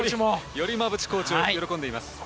より馬淵コーチは喜んでいます。